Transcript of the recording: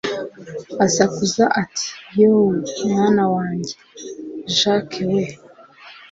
asakuza ati yooooh! mwana wanjye ,jack weee